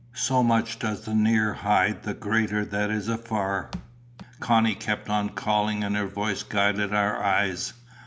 So much does the near hide the greater that is afar! Connie kept on calling, and her voice guided our eyes.